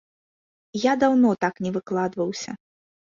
Я даўно так не выкладваўся.